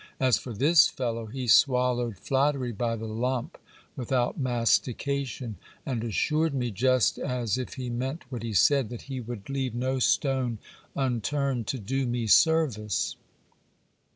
As for this fellow, he swallowed flattery by the lump without mastication ; and assured me, just as if he meant what he said, that he would leave no stone unturned to do me service.